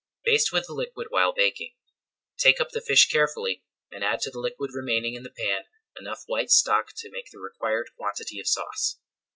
Baste with the liquid while baking. Take up the fish carefully, and add to the liquid remaining in the pan enough white stock to make the required quantity of sauce.